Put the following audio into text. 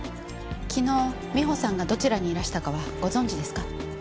昨日美穂さんがどちらにいらしたかはご存じですか？